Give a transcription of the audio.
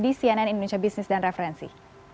di cnn indonesia business dan referensi